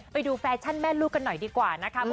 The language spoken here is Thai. ไปดูแฟชั่นแม่ลูกกันหน่อยดีกว่านะคะ